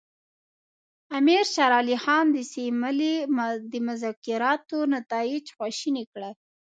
امیر شېر علي خان د سیملې د مذاکراتو نتایج خواشیني کړل.